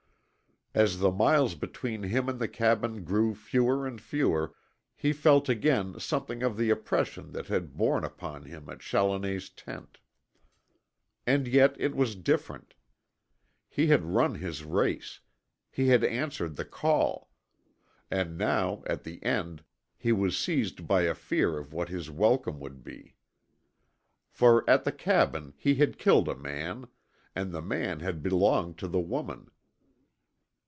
As the miles between him and the cabin grew fewer and fewer he felt again something of the oppression that had borne upon him at Challoner's tent. And yet it was different. He had run his race. He had answered The Call. And now, at the end, he was seized by a fear of what his welcome would be. For at the cabin he had killed a man and the man had belonged to the woman.